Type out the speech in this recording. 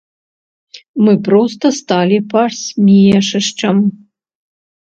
Мы проста сталі пасмешышчам.